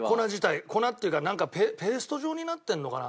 粉っていうかなんかペースト状になってるのかな？